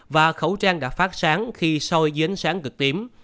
và khẩu trang đã phát sáng khi soi dưới ánh sáng cực tím